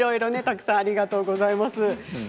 たくさんありがとうございます。